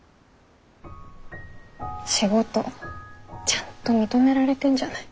仕事ちゃんと認められてんじゃない。